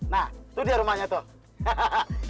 nah itu dia rumahnya tuh